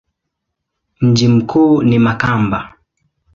Mji mkuu ni Makamba.